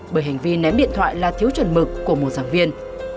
bởi hành vi ném điện thoại là thiếu chuẩn mực của một giảng viên